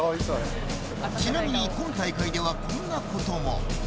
ちなみに今大会ではこんなことも。